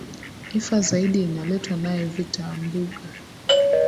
ifa zaidi inaletwa naye victor ambuga